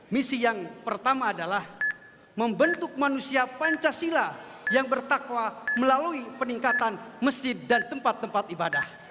misi yang pertama adalah membentuk manusia pancasila yang bertakwa melalui peningkatan masjid dan tempat tempat ibadah